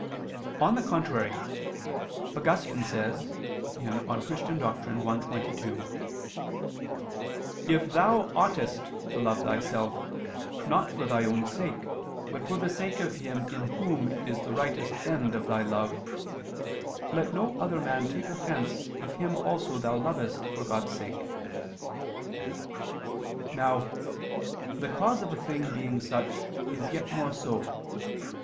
On the contrary, Augustine says (De Doctr. Christ. i, 22): "If thou oughtest to love thyself, not for thy own sake, but for the sake of Him in Whom is the rightest end of thy love, let no other man take offense if him also thou lovest for God's sake." Now "the cause of a thing being such is yet more so."